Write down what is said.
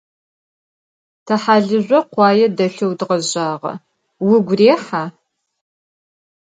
Te halızjo khuaê delheu dğezjağe. Vugu rêha?